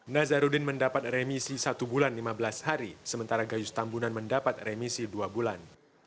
nazarudin mendapat remisi satu bulan lima belas hari sementara gayus tambunan mendapat remisi dua bulan